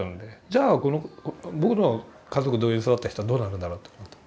じゃあ僕の家族同様に育った人はどうなるんだろうと思った。